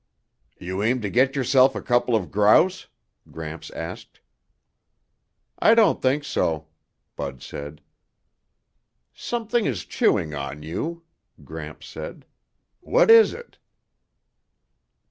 "You aim to get yourself a couple of grouse?" Gramps asked. "I don't think so," Bud said. "Something is chewing on you," Gramps said. "What is it?"